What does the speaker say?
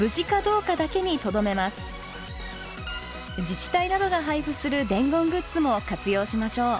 自治体などが配布する伝言グッズも活用しましょう。